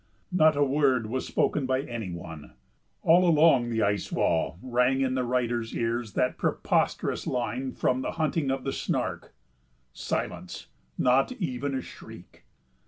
Not a word was spoken by any one; all along the ice wall rang in the writer's ears that preposterous line from "The Hunting of the Snark" "Silence, not even a shriek!"